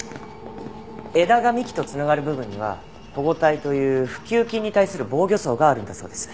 枝が幹と繋がる部分には保護帯という腐朽菌に対する防御層があるんだそうです。